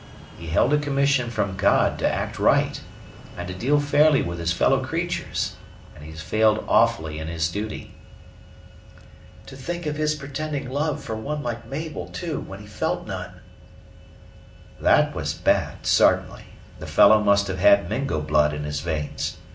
He held a commission from God to act right, and to deal fairly with his fellow creaturs, and he has failed awfully in his duty." "To think of his pretending love for one like Mabel, too, when he felt none." "That was bad, sartainly; the fellow must have had Mingo blood in his veins.